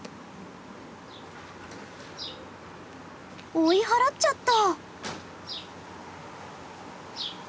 追い払っちゃった。